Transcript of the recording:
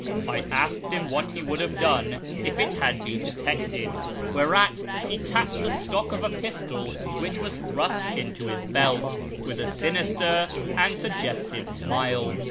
I asked him what he would have done if it had been detected, whereat he tapped the stock of a pistol which was thrust into his belt with a sinister and suggestive smile.